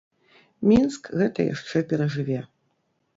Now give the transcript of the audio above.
Мінск гэта яшчэ перажыве.